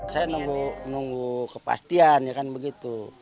saya nunggu kepastian ya kan begitu